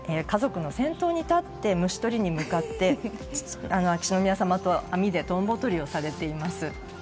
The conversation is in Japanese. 家族の先頭に立って虫取りに向かって秋篠宮さまと網でトンボとりをされています。